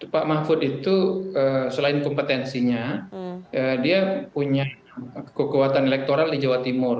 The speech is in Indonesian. pak mahfud itu selain kompetensinya dia punya kekuatan elektoral di jawa timur